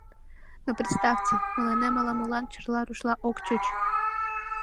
Но, представьте, мыланем ала-молан Чарла рушла ок чуч.